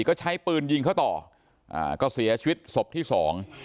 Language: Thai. ก็ใช้ปืนยิงเขาต่ออ่าก็เสียชีวิตศพที่สอง